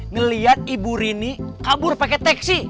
ngeliat ibu rini kabur pake taksi